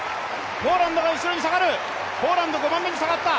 ポーランドが後ろに下がる、５番目に下がった。